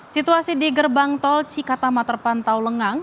situasi di gerbang tol cikatama terpantau lengang